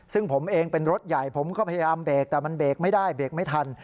ซึ่งผมเองเป็นรถใหญ่ผมก็พยายามเบรกแต่มันเบรกไม่ได้เบรกไม่ทัน